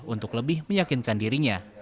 untuk lebih meyakinkan dirinya